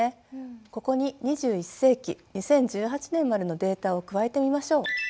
ここに２１世紀２０１８年までのデータを加えてみましょう。